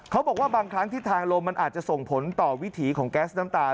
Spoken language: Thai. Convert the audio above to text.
เขาบอกว่าบางครั้งที่ทางลมมันอาจจะส่งผลต่อวิถีของแก๊สน้ำตาล